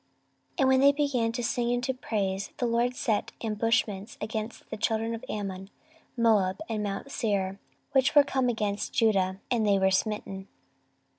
14:020:022 And when they began to sing and to praise, the LORD set ambushments against the children of Ammon, Moab, and mount Seir, which were come against Judah; and they were smitten.